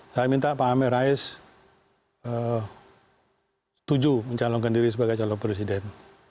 saya minta pak amin rais setuju mencalonkan diri sebagai calon presiden